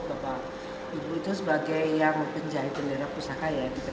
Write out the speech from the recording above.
bapak ibu itu sebagai yang menjahit bendera pusakamera putih